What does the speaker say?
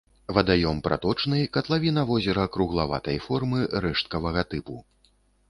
Вадаём праточны, катлавіна возера круглаватай формы, рэшткавага тыпу.